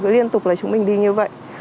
liên tục là chúng mình đi như vậy